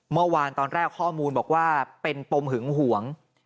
เมื่อวานตอนแรกข้อมูลบอกว่าเป็นปมหึงหวง